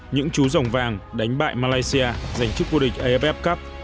những chú rồng vàng đánh bại malaysia giành trước quốc địch aff cup